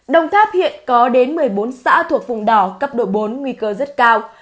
đồng tháp hiện có đến một mươi bốn xã thuộc vùng đỏ cấp độ bốn nguy cơ rất cao